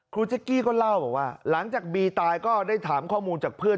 เจ๊กกี้ก็เล่าบอกว่าหลังจากบีตายก็ได้ถามข้อมูลจากเพื่อน